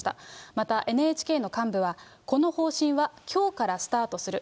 また、ＮＨＫの幹部は、この方針はきょうからスタートする。